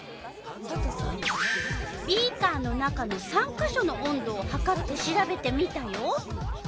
ビーカーの中の３か所の温度をはかってしらべてみたよ。